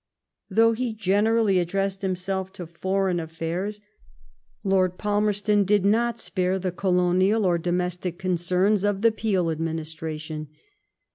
Though he generally addressed himself to foreign affairs. Lord Palmerston did not spare the colonial or domestic concerns of the Peel administration.